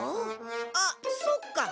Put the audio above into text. あっそうか。